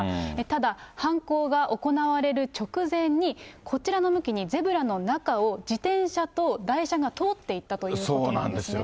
ただ、犯行が行われる直前に、こちらの向きにゼブラの中を、自転車と台車が通っていたということなんですね。